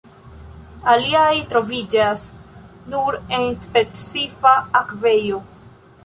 Aliaj troviĝas nur en specifa akvejo.